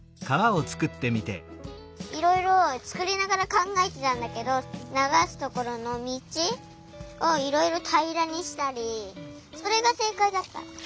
いろいろつくりながらかんがえてたんだけどながすところのみちをいろいろたいらにしたりそれがせいかいだった。